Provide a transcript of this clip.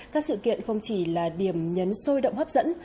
các sự kiện không chỉ là điểm nhấn sôi động hấp dẫn